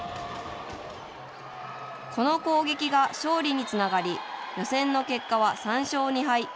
この攻撃が勝利につながり予選の結果は３勝２敗。